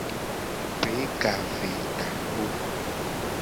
Pe ka ve takpo.